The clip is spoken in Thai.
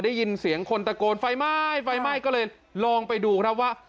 ได้ยินเสียงคนตะโกนไฟไหม้ไฟไหม้ก็เลยลองไปดูครับว่า